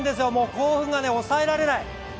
興奮が抑えられない。